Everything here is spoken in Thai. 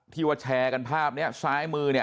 ที่ว่าแชร์กันภาพนี้ซ้ายมือเนี่ย